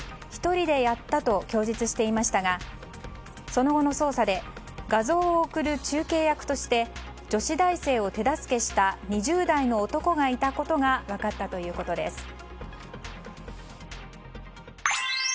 １人でやったと供述していましたがその後の捜査で画像を送る中継役として女子大生を手助けした２０代の男がいたことが分かったということです。